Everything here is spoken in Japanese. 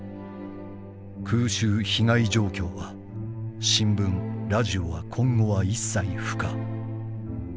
「空襲被害状況は新聞ラジオは今後は一切不可。